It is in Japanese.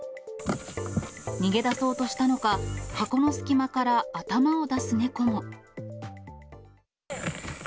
逃げ出そうとしたのか、箱の隙間から頭を出す猫も。